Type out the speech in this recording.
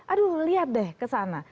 aduh lihat deh ke sana